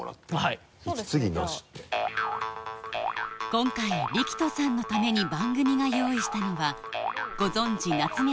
今回リキトさんのために番組が用意したのはご存じ夏目